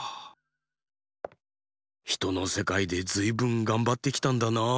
ひとのせかいでずいぶんがんばってきたんだなあ。